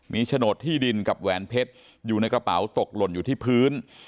มีโฉนดที่ดินกับแหวนเพชรอยู่ในกระเป๋าตกหล่นอยู่ที่พื้น